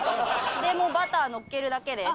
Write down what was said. でもうバターのっけるだけです。